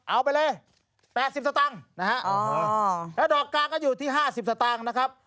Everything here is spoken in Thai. เอาไปเลยแปดสิบสตางค์นะฮะอ๋อแล้วดอกกลางก็อยู่ที่ห้าสิบสตางค์นะครับ